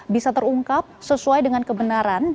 bisa terungkap sesuai dengan kebenaran